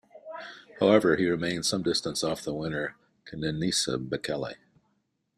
However, he remained some distance off the winner Kenenisa Bekele.